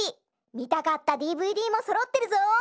みたかったＤＶＤもそろってるぞ！